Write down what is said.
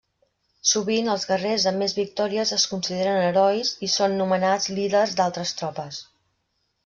Sovint els guerrers amb més victòries es consideren herois i són nomenats líders d'altres tropes.